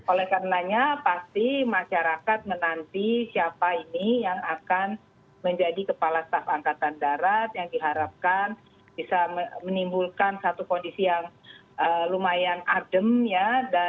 oleh karenanya pasti masyarakat menanti siapa ini yang akan menjadi kepala staf angkatan darat yang diharapkan bisa menimbulkan satu kondisi yang lumayan adem ya